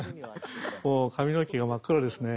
髪の毛が真っ黒ですね。